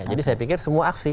jadi saya pikir semua aksi